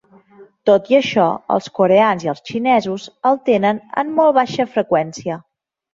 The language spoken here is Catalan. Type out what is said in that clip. Tot i això, els coreans i els xinesos el tenen en molt baixa freqüència.